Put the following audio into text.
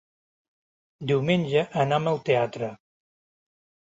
Diumenge anam al teatre.